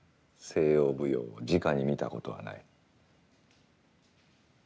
西洋舞踊をじかに見たことはない。